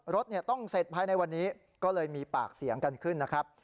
รถต้องเสร็จภายในวันนี้ก็เลยมีปากเสียงกันขึ้นนะครับ